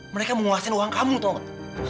mereka mau nguasain uang kamu tau gak